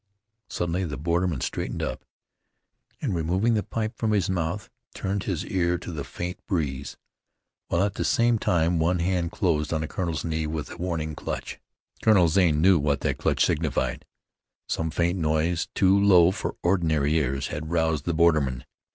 Suddenly the borderman straightened up, and, removing the pipe from his mouth, turned his ear to the faint breeze, while at the same time one hand closed on the colonel's knee with a warning clutch. Colonel Zane knew what that clutch signified. Some faint noise, too low for ordinary ears, had roused the borderman.